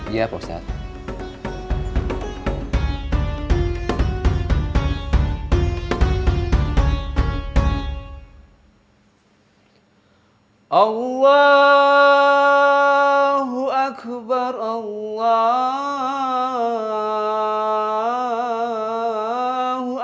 iya pak ustadz